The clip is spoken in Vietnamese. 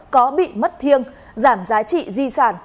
có bị mất thiêng giảm giá trị di sản